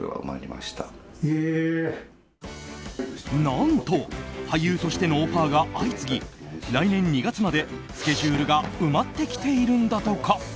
何と、俳優としてのオファーが相次ぎ来年２月までスケジュールが埋まってきているんだとか。